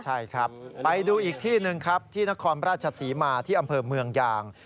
ใช่ครับไปดูอีกที่หนึ่งครับที่นครราชศรีมาที่อำเภอเมืองยาง